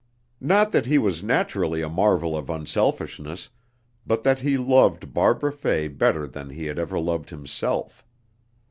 Not that he was naturally a marvel of unselfishness, but that he loved Barbara Fay better than he had ever loved himself.